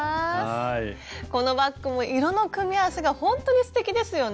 このバッグも色の組み合わせがほんとにすてきですよね。